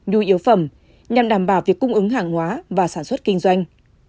nhu yếu phẩm nhằm đảm bảo việc cung ứng hàng hóa và sản xuất kinh doanh